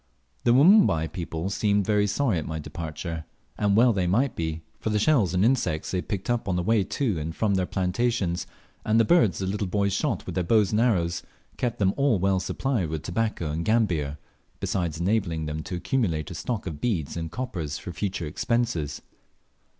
The Wanumbai people seemed very sorry at my departure; and well they might be, for the shells and insects they picked up on the way to and from their plantations, and the birds the little boys shot with their bows and arrows, kept them all well supplied with tobacco and gambir, besides enabling them to accumulate a stock of beads and coppers for future expenses.